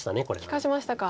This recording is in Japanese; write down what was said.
利かしましたか。